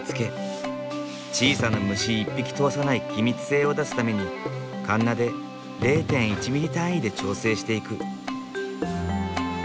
小さな虫一匹通さない気密性を出すためにカンナで０．１ミリ単位で調整していく。